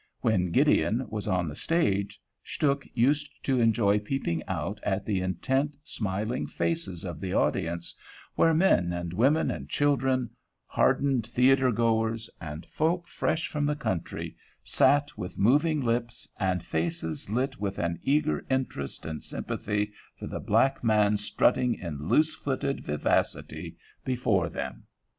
When Gideon was on the stage, Stuhk used to enjoy peeping out at the intent, smiling faces of the audience, where men and women and children, hardened theater goers and folk fresh from the country, sat with moving lips and faces lit with an eager interest and sympathy for the black man strutting in loose footed vivacity before them.